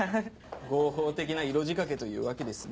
合法的な色仕掛けというわけですね。